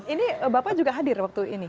ini bapak juga hadir waktu ini